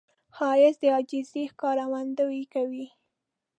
ښایست د عاجزي ښکارندویي کوي